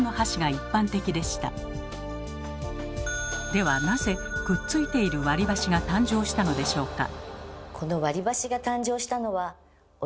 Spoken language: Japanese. ではなぜくっついている割り箸が誕生したのでしょうか？